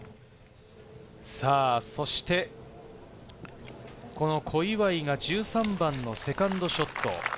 そして小祝が１３番のセカンドショット。